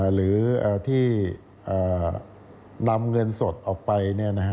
หรือที่นำเงินสดออกไป